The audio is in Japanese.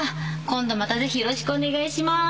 今度またぜひよろしくお願いしまーす